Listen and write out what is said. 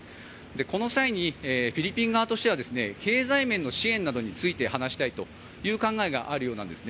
この際にフィリピン側としては経済面などの支援について話したいという考えがあるようなんですね。